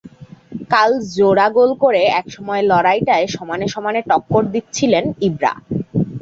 কাল জোড়া গোল করে একসময় লড়াইটায় সমানে সমানে টক্কর দিচ্ছিলেন ইব্রা।